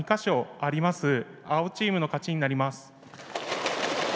青チームの勝ちになります。